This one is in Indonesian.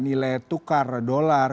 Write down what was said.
dengan ancloknya nilai tukar dolar